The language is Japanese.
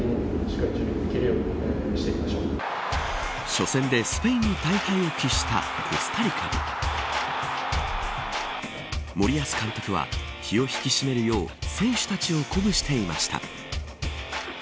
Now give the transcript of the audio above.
初戦でスペインに大敗を喫したコスタリカ森保監督は、気を引き締めるよう選手たちを鼓舞していました。